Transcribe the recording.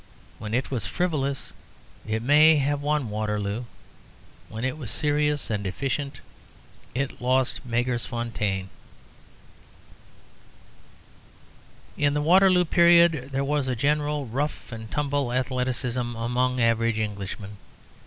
When it was frivolous it may have won Waterloo: when it was serious and efficient it lost Magersfontein. In the Waterloo period there was a general rough and tumble athleticism among average Englishmen.